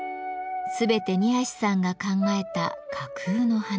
全て二さんが考えた架空の花。